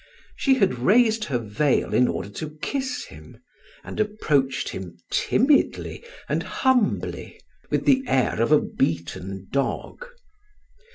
She had raised her veil in order to kiss him, and approached him timidly and humbly with the air of a beaten dog.